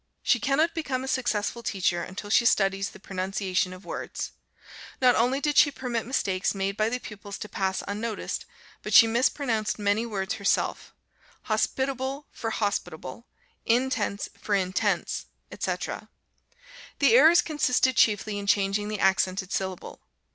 She cannot become a successful teacher until she studies the pronunciation of words. Not only did she permit mistakes made by the pupils to pass unnoticed, but she mis pronounced many words herself, hos pit a ble, for hos pi ta ble, in tense for in tense, etc.; the errors consisted chiefly in changing the accented syllable.